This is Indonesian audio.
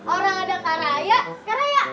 orang ada karaya karaya sini